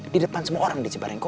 di depan semua orang di cibarengko